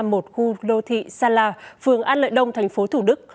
khu đô thị sala phường an lợi đông thành phố thủ đức